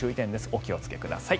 お気をつけください。